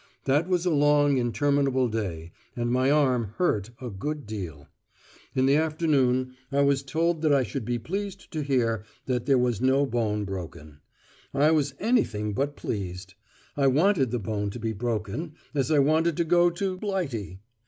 That was a long interminable day, and my arm hurt a good deal. In the afternoon I was told that I should be pleased to hear that there was no bone broken. I was anything but pleased. I wanted the bone to be broken, as I wanted to go to "Blighty."